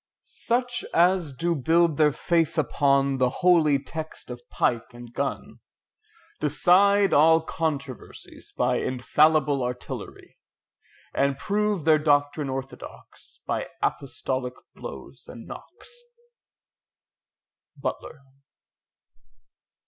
Such as do build their faith upon The holy text of pike and gun, Decide all controversies by Infallible artillery, And prove their doctrine orthodox, By apostolic blows and knocks. BUTLER.